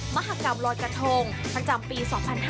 มหากรรมลอยกระทงประจำปี๒๕๕๙